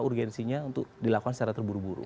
urgensinya untuk dilakukan secara terburu buru